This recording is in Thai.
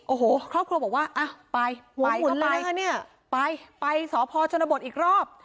โอ้โหครอบครัวบอกว่าไปไปไปไปสพชนบทอีกรอบ